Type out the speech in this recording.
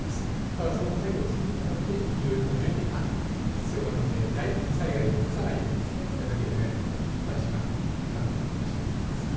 ただ、その作業をするに当たっていろいろな準備が必要なので２次災害を起こさないようにやらなきゃいけないので時間がかかると私は思います。